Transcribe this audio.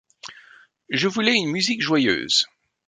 Je voulais une musique joyeuse.